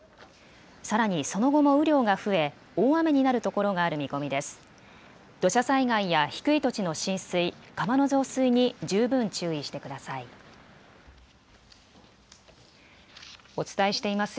さらにその後も雨量が増え大雨になるところがある見込みです。